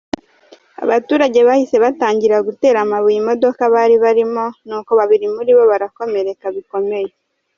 Abaturage bahise batangira gutera amabuye imodoka bari barimo, nuko babiri muri bo barakomereka bikomeye.